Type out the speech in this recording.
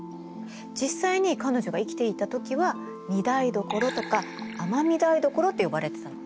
実際に彼女が生きていた時は御台所とか尼御台所って呼ばれてたの。